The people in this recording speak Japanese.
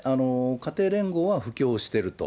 家庭連合は布教してると。